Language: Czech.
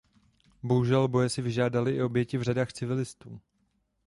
Bohužel boje si vyžádaly i oběti v řadách civilistů.